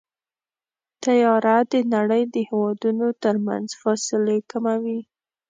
طیاره د نړۍ د هېوادونو ترمنځ فاصلې کموي.